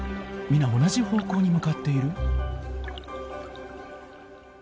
皆同じ方向に向かっている？